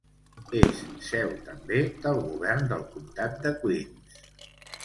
És seu també del govern del Comtat de Queens.